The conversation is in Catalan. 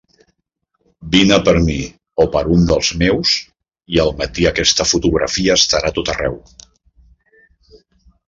Vine a per mi o a per un dels meus, i al matí aquesta fotografia estarà a tot arreu.